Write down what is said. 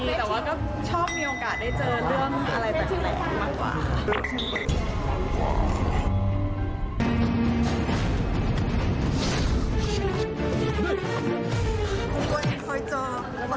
แต่ว่าก็ชอบมีโอกาสได้เจอเรื่องอะไรแปลกมากกว่าค่ะ